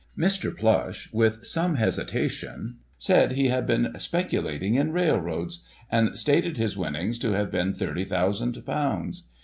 Mr. Plush, with some hesitation, said he had been speculating in railroadsy and stated his winnings to have been thirty thousand pounds.